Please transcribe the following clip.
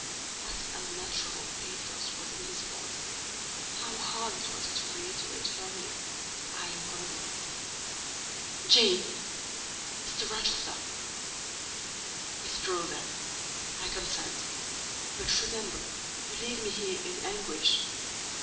What unutterable pathos was in his voice! How hard it was to reiterate firmly, "I am going." "Jane!" "Mr. Rochester!" "Withdraw, then,—I consent; but remember, you leave me here in anguish.